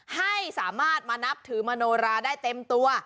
ให้สามารถมานับถือมโนราได้เต็มตัว